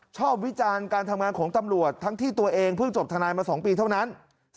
วิจารณ์การทำงานของตำรวจทั้งที่ตัวเองเพิ่งจบทนายมา๒ปีเท่านั้น